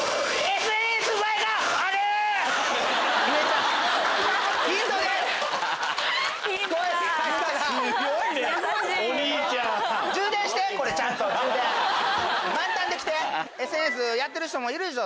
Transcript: ＳＮＳやってる人もいるでしょ。